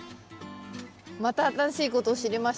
また新しいことを知りました。